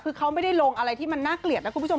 คือเขาไม่ได้ลงอะไรที่มันน่าเกลียดนะคุณผู้ชม